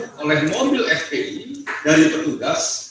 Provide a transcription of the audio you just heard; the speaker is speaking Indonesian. untuk menjauh oleh mobil fpi dari petugas